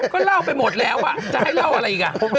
ก็เล่าไปหมดแล้วจะให้เล่าอะไรอีกอ่ะ